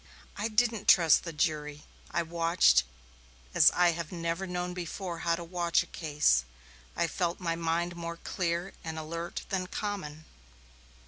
"I didn't trust the jury. I watched as I have never before known how to watch a case. I felt my mind more clear and alert than common."